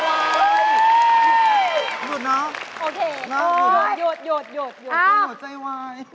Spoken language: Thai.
ตัวเปล่าอะไรอย่างนี้อ่ะคือหนูก็อยากอยู่แต่ใจหนึ่งหนูก็กลัวแบบกลับไปแบบ